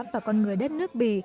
và con người đất nước bỉ